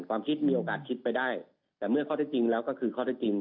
ความคิดมีโอกาสคิดไปได้แต่เมื่อข้อที่จริงแล้วก็คือข้อได้จริง